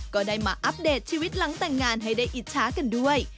ก็ได้มาอัปเดตชีวิตหลังแต่งงานให้ได้อิจฉากันด้วย